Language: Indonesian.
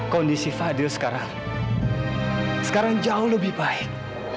kondisi fadil sekarang sekarang jauh lebih baik